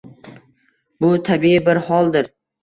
Bu tabiiy bir holdir.